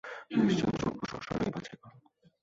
বিশজন চৌকস অশ্বারোহী বাছাই কর।